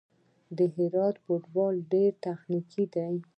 د هرات فوټبال ډېر تخنیکي دی.